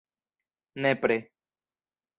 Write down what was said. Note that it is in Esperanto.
Nepre.